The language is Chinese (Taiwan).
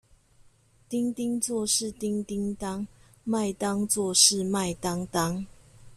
丁丁做事叮叮噹，麥當做事麥當當